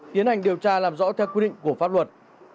tiến hành điều tra làm rõ theo quy định của pháp luật